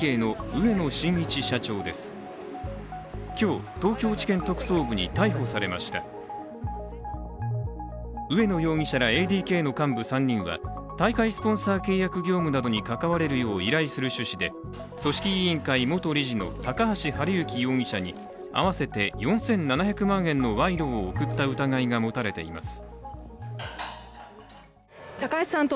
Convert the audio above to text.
植野容疑者らＡＤＫの幹部３人は大会スポンサー契約業務などに関われるよう依頼する趣旨で、組織委員会元理事の高橋治之容疑者に合わせて４７００万円の賄賂を送った疑いが持たれています。